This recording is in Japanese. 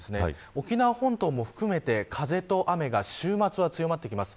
沖縄本島も含めて風と雨が週末は強まってきます。